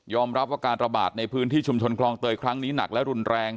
รับว่าการระบาดในพื้นที่ชุมชนคลองเตยครั้งนี้หนักและรุนแรง